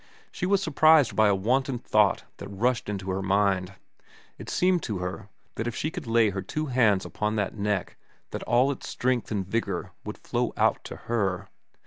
She was surprised by a wanton thought that rushed into her mind. It seemed to her that if she could lay her two hands upon that neck that all its strength and vigor would flow out to her.